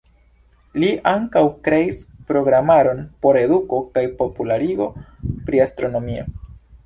Li ankaŭ kreis programaron por eduko kaj popularigo pri astronomio.